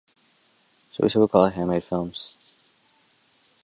So we said ... we'll call it Handmade Films.